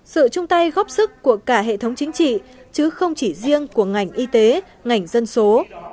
sự chung tay góp sức của cả hệ thống chính trị chứ không chỉ riêng của ngành y tế ngành dân số